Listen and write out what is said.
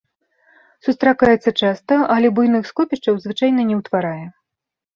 Сустракаецца часта, але буйных скопішчаў звычайна не ўтварае.